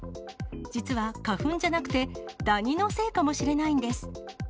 実は花粉じゃなくて、ダニのせいかもしれないんです。